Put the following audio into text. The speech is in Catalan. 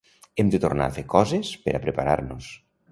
Hem de tornar a fer coses per a preparar-nos.